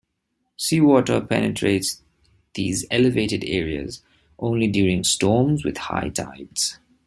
Seawater penetrates these elevated areas only during storms with high tides.